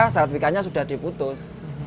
sertifikannya sudah diputus